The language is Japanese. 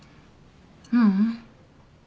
ううん。